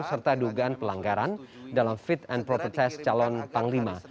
serta dugaan pelanggaran dalam fit and proper test calon panglima